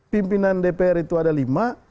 pimpinan dpr itu ada lima